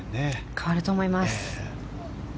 変わると思います。